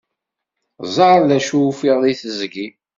Ẓer d acu ufiɣ deg teẓgi.